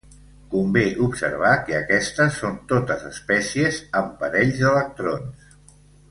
Convé observar que aquestes són totes espècies amb parells d'electrons.